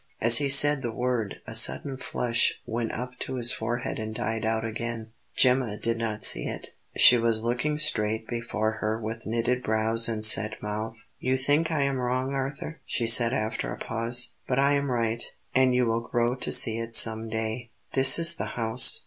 As he said the word a sudden flush went up to his forehead and died out again. Gemma did not see it; she was looking straight before her with knitted brows and set mouth. "You think I am wrong, Arthur," she said after a pause; "but I am right, and you will grow to see it some day. This is the house.